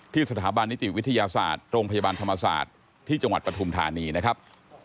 สถาบันนิติวิทยาศาสตร์โรงพยาบาลธรรมศาสตร์ที่จังหวัดปฐุมธานีนะครับ